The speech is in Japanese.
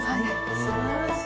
すばらしい。